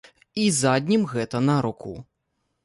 І заднім гэта наруку.